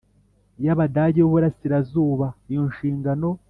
y Abadage y u Burasirazuba Iyo nshingano